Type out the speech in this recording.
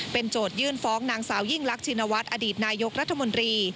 โจทยื่นฟ้องนางสาวยิ่งรักชินวัฒน์อดีตนายกรัฐมนตรี